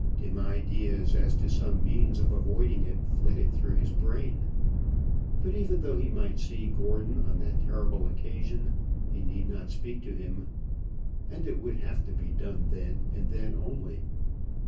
Dim ideas as to some means of avoiding it flitted through his brain. But even though he might see Gordon on that terrible occasion, he need not speak to him. And it would have to be done then, and then only.